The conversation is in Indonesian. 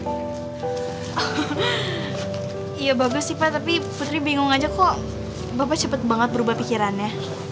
ya bagus sih pak tapi putri bingung aja kok bapak cepat banget berubah pikirannya